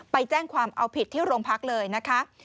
ไปแจ้งความเอาผิดที่โรงพักเลยนะคะ